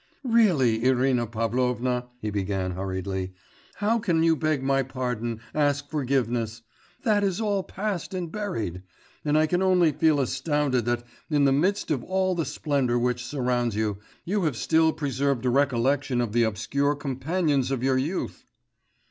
'Really, Irina Pavlovna,' he began hurriedly, 'how can you beg my pardon, ask forgiveness?... That is all past and buried, and I can only feel astounded that, in the midst of all the splendour which surrounds you, you have still preserved a recollection of the obscure companions of your youth....